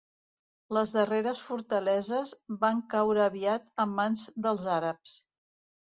Les darreres fortaleses van caure aviat en mans dels àrabs.